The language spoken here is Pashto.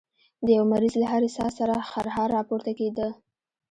د يوه مريض له هرې ساه سره خرهار راپورته کېده.